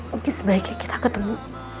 mungkin sebaiknya kita ketemu